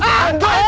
aduh aneh aneh